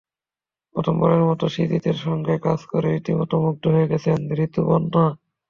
প্রথমবারের মতো সৃজিতের সঙ্গে কাজ করে রীতিমতো মুগ্ধ হয়ে গেছেন ঋতুপর্ণা।